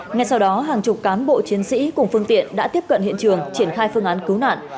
ngay sau đó hàng chục cán bộ chiến sĩ cùng phương tiện đã tiếp cận hiện trường triển khai phương án cứu nạn